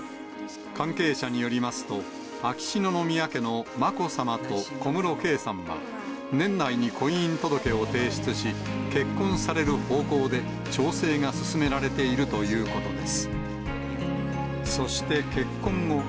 関係者によりますと、秋篠宮家のまこさまと小室圭さんは、年内に婚姻届を提出し、結婚される方向で調整が進められているということです。